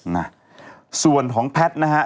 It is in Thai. นะส่วนของแพทย์นะฮะ